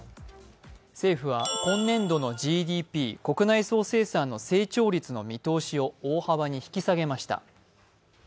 政府は今年度のＧＤＰ＝国内総生産の成長率の見通しを大幅に引き下げました。